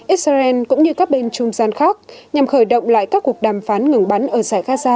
israel cũng như các bên trung gian khác nhằm khởi động lại các cuộc đàm phán ngừng bắn ở giải gaza